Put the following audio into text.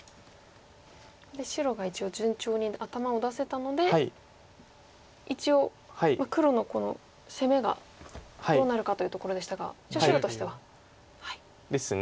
白が順調に頭を出せたので一応黒の攻めがどうなるかというところでしたが白としては。ですね。